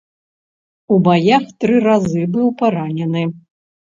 У баях тры разы быў паранены.